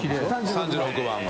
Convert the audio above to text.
３６番が。